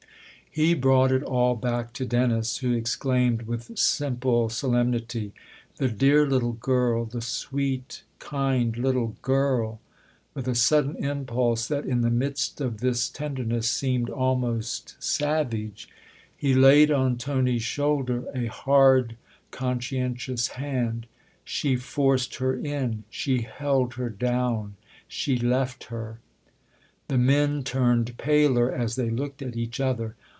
He brought it all back to Dennis, who exclaimed with simple solemnity :" The dear little girl the sweet, kind little girl !" With a sudden impulse that, in the midst of this tenderness, seemed almost savage, he laid on Tony's shoulder a hard, consci entious hand. " She forced her in. She held her down. She left her." The men turned paler as they looked at each other.